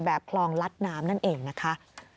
คลองลัดน้ำนั่นเองนะคะ